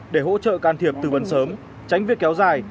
để hỗ trợ can thiệp từ vần sớm tránh việc kéo dài